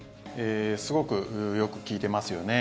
すごくよく効いてますよね。